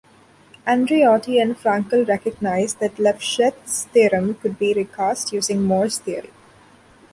Andreotti and Frankel recognized that Lefschetz's theorem could be recast using Morse theory.